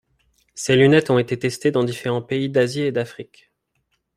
Ces lunettes ont été testées dans différents pays d'Asie et d'Afrique.